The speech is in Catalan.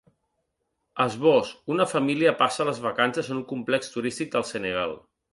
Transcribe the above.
Esbós: Una família passa les vacances en un complex turístic del Senegal.